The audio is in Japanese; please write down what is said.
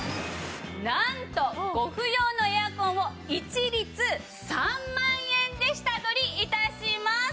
なんとご不要のエアコンを一律３万円で下取り致します！